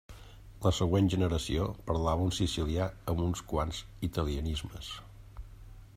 La següent generació parlava un sicilià amb uns quants italianismes.